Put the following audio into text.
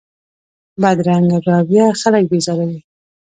بدرنګه رویه خلک بېزاروي